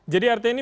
jadi artinya ini